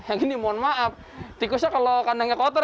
yang ini mohon maaf tikusnya kalau kandangnya kotor